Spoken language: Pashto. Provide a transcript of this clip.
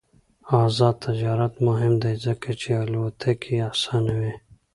آزاد تجارت مهم دی ځکه چې الوتکې اسانوي.